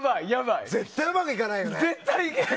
絶対うまくいかないよね！